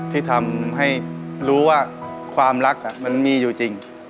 ที่ทำให้รู้ว่าความรักมันมีอยู่จริง